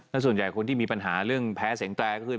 และส่วนใหญ่คนที่มีปัญหาเรื่องแพ้เสียงแตรก็คือ